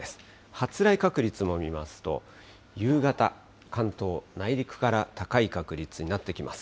発雷確率を見ますと、夕方、関東内陸から高い確率になってきます。